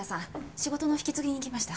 仕事の引き継ぎに来ました。